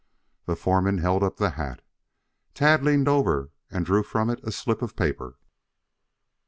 The foreman held up the hat. Tad leaned over and drew from it a slip of paper.